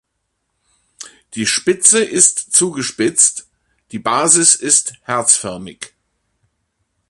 Die Spitze ist zugespitzt, die Basis ist herzförmig.